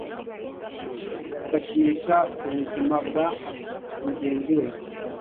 agakinisha ubuzima bwa mugenziwe